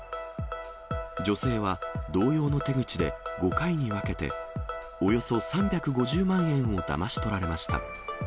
女性は同様の手口で５回に分けておよそ３５０万円をだまし取られました。